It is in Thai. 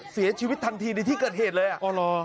เสียชีวิตทันทีในที่เกิดเหตุเลย